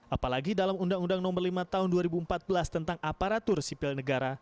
apalagi dalam undang undang nomor lima tahun dua ribu empat belas tentang aparatur sipil negara